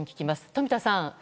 富田さん